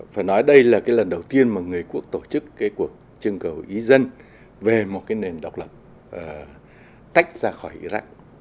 phải nói đây là cái lần đầu tiên mà người quốc tổ chức cái cuộc trưng cầu ý dân về một cái nền độc lập tách ra khỏi iraq